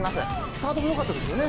スタートもよかったですよね。